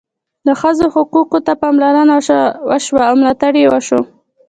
د ښځو حقوقو ته پاملرنه وشوه او ملاتړ یې وشو.